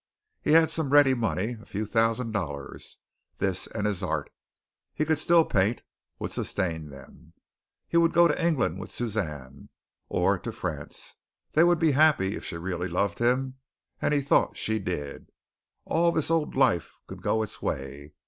He had some ready money a few thousand dollars. This and his art he could still paint would sustain them. He would go to England with Suzanne, or to France. They would be happy if she really loved him and he thought she did. All this old life could go its way.